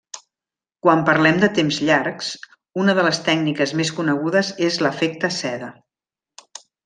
Quan parlem de temps llargs, una de les tècniques més conegudes és l'efecte seda.